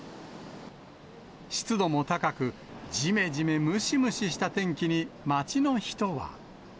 湿度も高く、ジメジメムシムシした天気に、街の人は。